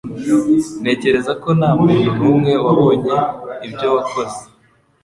Ntekereza ko ntamuntu numwe wabonye ibyo wakoze.